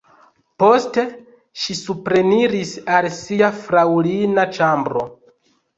Poste ŝi supreniris al sia fraŭlina ĉambro.